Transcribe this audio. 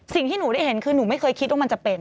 สิ่งที่หนูได้เห็นคือหนูไม่เคยคิดว่ามันจะเป็น